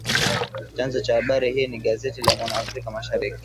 Chanzo cha habari hii ni gazeti la "Mwana Afrika Mashariki"